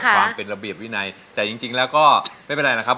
ความเป็นระเบียบวินัยแต่จริงแล้วก็ไม่เป็นไรหรอกครับ